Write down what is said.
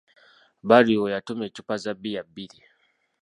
Badru we yatumya eccupa za bbiya bbiri.